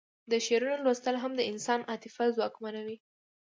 د شعرونو لوستل هم د انسان عاطفه ځواکمنوي